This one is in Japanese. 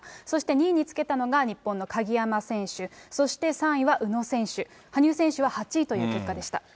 そして２位につけたのが日本の鍵山選手、そして３位は宇野選手、羽生選手は８位という結果でした。